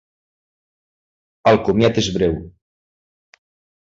El comiat és breu.